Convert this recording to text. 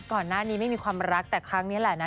ก่อนหน้านี้ไม่มีความรักแต่ครั้งนี้แหละนะ